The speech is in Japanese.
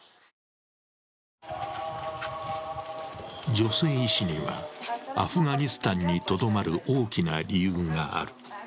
女性医師にはアフガニスタンにとどまる大きな理由がある。